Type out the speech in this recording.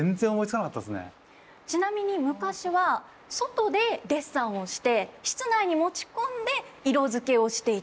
うわっちなみに昔は外でデッサンをして室内に持ち込んで色づけをしていた。